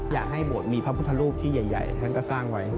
อยากให้บวชมีพระพุทธรูปที่ใหญ่ท่านก็สร้างไว้